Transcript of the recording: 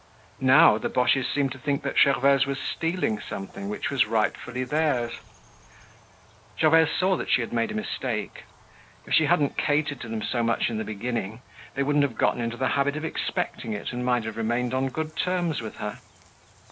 Now the Boches seemed to think that Gervaise was stealing something which was rightfully theirs. Gervaise saw that she had made a mistake. If she hadn't catered to them so much in the beginning, they wouldn't have gotten into the habit of expecting it and might have remained on good terms with her.